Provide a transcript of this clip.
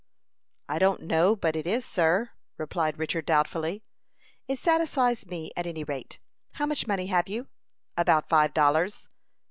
"I don't know but it is, sir," replied Richard, doubtfully. "It satisfies me, at any rate. How much money have you?" "About five dollars."